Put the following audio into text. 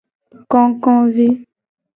Kokovi.